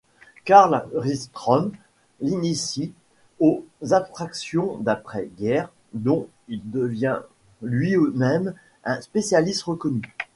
Karl Ringström l'initie aux abstractions d'après-guerre dont il devient lui-même un spécialiste reconnu.